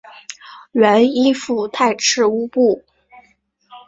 原依附泰赤乌部。